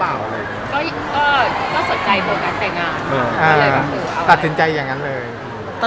เพราะเป็นนักแสดงก็มีเยอะเยอะมาก